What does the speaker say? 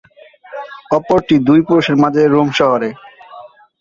অপরটি দুই পুরুষের মাঝে রোম শহরে।